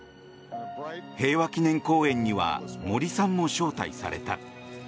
平和記念公園には森さんも招待された。